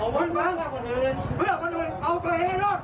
คุณต้องรู้บ้าง